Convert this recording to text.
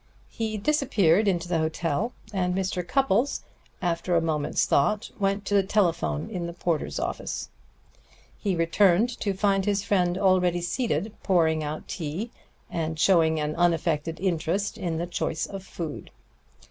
He disappeared into the hotel, and Mr. Cupples, after a moment's thought, went to the telephone in the porter's office. He returned to find his friend already seated, pouring out tea, and showing an unaffected interest in the choice of food.